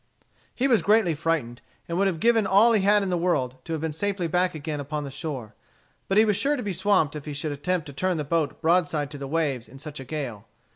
He was greatly frightened, and would have given all he had in the world, to have been safely back again upon the shore. But he was sure to be swamped if he should attempt to turn the boat broadside to the waves in such a gale.